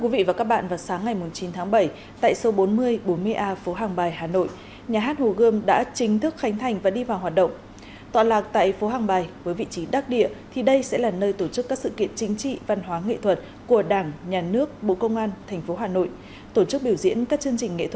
vĩnh phúc bộ công an tp hà nội tổ chức biểu diễn các chương trình nghệ thuật